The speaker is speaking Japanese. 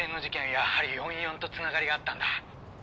やはり４４と繋がりがあったんだ」